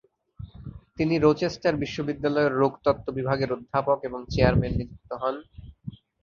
তিনি রোচেস্টার বিশ্ববিদ্যালয়ের রোগতত্ত্ব বিভাগের অধ্যাপক এবং চেয়ারম্যান নিযুক্ত হন।